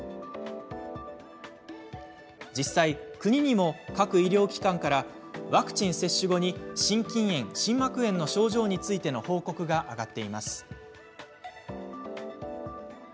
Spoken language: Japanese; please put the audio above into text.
実際、国にも各医療機関からワクチン接種後に心筋炎、心膜炎の症状についての報告が上がっています。